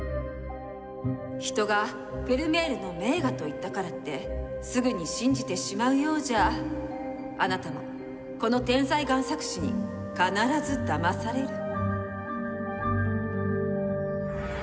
人が「フェルメールの名画」と言ったからってすぐに信じてしまうようじゃあなたもこの天才贋作師に必ずだまされる！